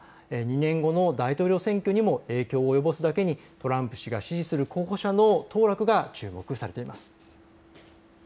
２年後の大統領選挙にも影響を及ぼすだけにトランプ氏が支持する候補者の当落が注目されています。